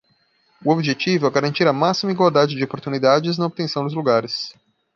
O objetivo é garantir a máxima igualdade de oportunidades na obtenção dos lugares.